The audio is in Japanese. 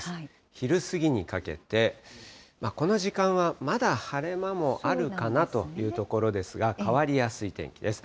昼過ぎにかけて、この時間はまだ晴れ間もあるかなというところですが、変わりやすい天気です。